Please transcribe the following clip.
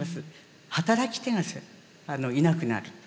働き手がいなくなる